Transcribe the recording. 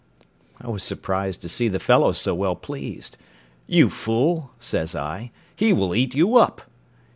I was surprised to see the fellow so well pleased. "You fool," says I, "he will eat you up."